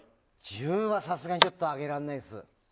１０はさすがにちょっとあげられないです。